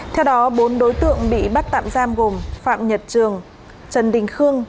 theo đó bốn đối tượng bị bắt tạm giam gồm phạm nhật trường trần đình khương